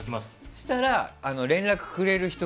そしたら連絡が来ると。